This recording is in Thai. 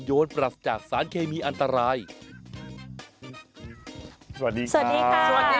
โน่นเหงียจาโทนป่าโทนโทนทั้งโยงทั้งโยนเยาว์ยวนหรือว่าใจ